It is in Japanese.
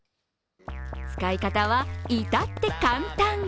使い方は、至って簡単。